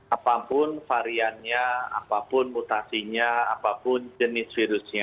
apapun variannya apapun mutasinya apapun jenis virusnya